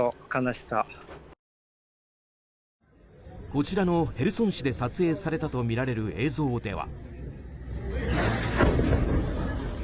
こちらのへルソン市で撮影されたとみられる映像では。